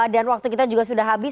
dan waktu kita juga sudah habis